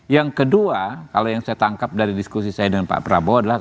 yang kedua kalau yang saya tangkap dari diskusi saya dengan pak prabowo adalah